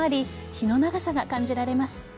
日の長さが感じられます。